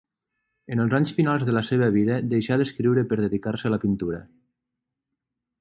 En els anys finals de la seva vida deixà d'escriure per dedicar-se a la pintura.